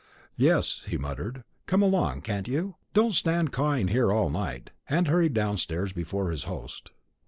"Yes," he muttered; "come along, can't you? don't stand cawing here all night;" and hurried downstairs before his host.